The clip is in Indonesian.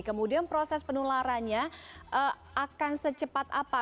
kemudian proses penularannya akan secepat apa